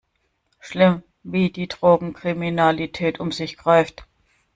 Schlimm, wie die Drogenkriminalität um sich greift!